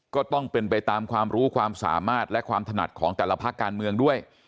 ก็ต้องเป็นไปตามความรู้ความสามารถและความถนัดของแต่ละภาคการเมืองด้วย